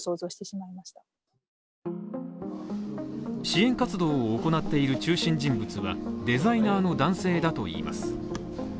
支援活動を行っている中心人物は、デザイナーの男性だといいます。